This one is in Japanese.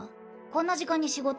こんな時間に仕事？